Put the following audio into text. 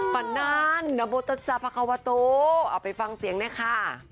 ปันนั้นนับวทัศน์ภาควัตุเอาไปฟังเสียงด้วยค่ะ